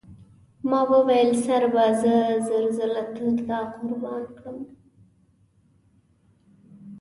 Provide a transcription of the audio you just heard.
ما وویل سر به زه زر ځله تر تا قربان کړم.